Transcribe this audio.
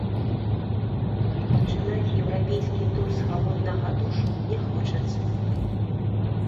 А пачынаць еўрапейскі тур з халоднага душу не хочацца.